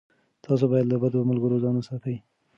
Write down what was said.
تاسو باید له بدو ملګرو ځان وساتئ.